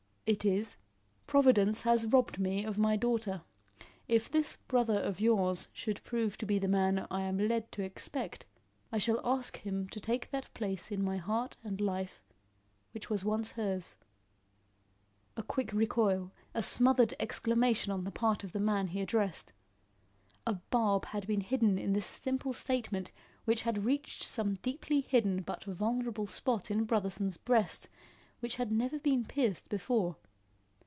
"It is. Providence has robbed me of my daughter; if this brother of yours should prove to be the man I am led to expect, I shall ask him to take that place in my heart and life which was once hers." A quick recoil, a smothered exclamation on the part of the man he addressed. A barb had been hidden in this simple statement which had reached some deeply hidden but vulnerable spot in Brotherson's breast, which had never been pierced before.